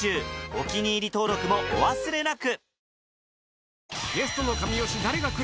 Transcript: お気に入り登録もお忘れなく